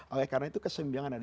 oleh karena itu kesembihangan ada